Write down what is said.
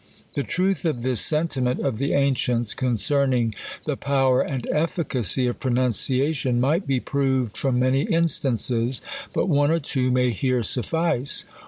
" The truth of this sentiment of the ancients, concera ing the power and efficacy of pronunciation, might be proved from many instances ; but one or two may here suffice.